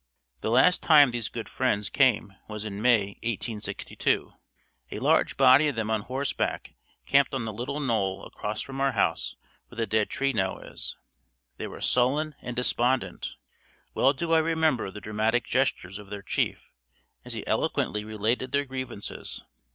The last time these good friends came was in May, 1862. A large body of them on horseback camped on the little knoll across from our house where the dead tree now is. They were sullen and despondent. Well do I remember the dramatic gestures of their chief as he eloquently related their grievances.